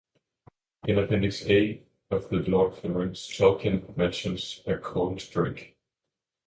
In Appendix A of "The Lord of the Rings" Tolkien mentions a "Cold-drake".